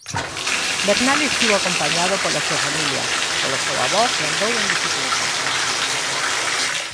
Bernal estivo acompañado pola súa familia, polo seu avó que andou en bicicleta.